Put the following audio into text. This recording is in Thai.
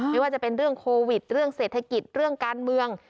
ไม่ว่าจะเป็นเรื่องโควิดเรื่องเศรษฐกิจเรื่องการเมือง